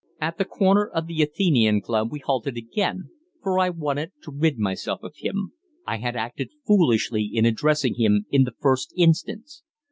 At the corner of the Athenæum Club we halted again, for I wanted to rid myself of him. I had acted foolishly in addressing him in the first instance.